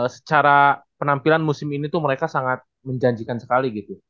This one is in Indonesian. secara penampilan musim ini tuh mereka sangat menjanjikan sekali gitu